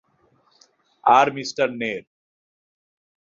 আর মিঃ নের।